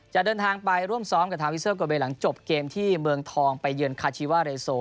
จะเดินทางไปร่วมซ้อมกับทางวิเซอร์โกเบหลังจบเกมที่เมืองทองไปเยือนคาชีวาเรโซ